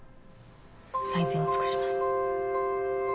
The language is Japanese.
最善を尽くします。